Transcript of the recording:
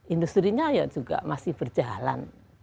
industrinya ya juga masih berjalan